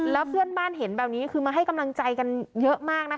แล้วเพื่อนบ้านเห็นแบบนี้คือมาให้กำลังใจกันเยอะมากนะคะ